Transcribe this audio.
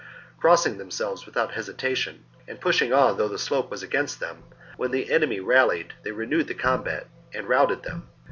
Crossing themselves without hesitation, and pushing on though the slope was against them, when the enemy rallied they renewed the combat and routed them.